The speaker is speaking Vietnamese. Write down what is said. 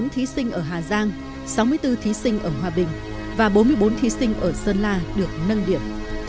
một mươi thí sinh ở hà giang sáu mươi bốn thí sinh ở hòa bình và bốn mươi bốn thí sinh ở sơn la được nâng điểm